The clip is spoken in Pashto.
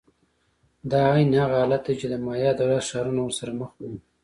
دا عین هغه حالت دی چې د مایا دولت ښارونه ورسره مخ وو.